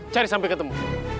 cari sampai ketemu